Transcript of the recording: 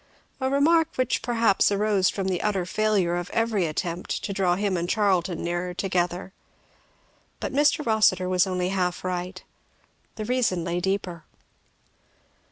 A remark which perhaps arose from the utter failure of every attempt to draw him and Charlton nearer together. But Mr. Rossitur was only half right. The reason lay deeper.